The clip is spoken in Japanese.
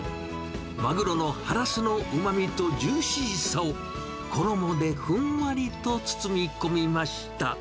マグロのハラスのうまみとジューシーさを、衣でふんわりと包み込みました。